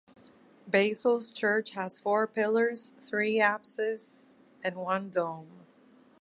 Basil's Church has four pillars, three apses and one dome.